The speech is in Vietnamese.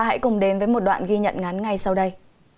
hãy cùng đến với một đoạn ghi nhận ngắn ngay sau đây